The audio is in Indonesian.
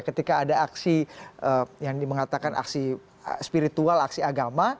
ketika ada aksi yang dimengatakan aksi spiritual aksi agama